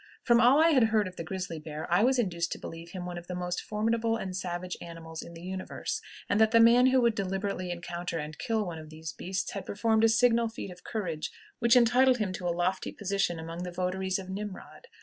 From all I had heard of the grizzly bear, I was induced to believe him one of the most formidable and savage animals in the universe, and that the man who would deliberately encounter and kill one of these beasts had performed a signal feat of courage which entitled him to a lofty position among the votaries of Nimrod.